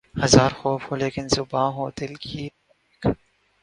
ہزار خوف ہو لیکن زباں ہو دل کی رفیق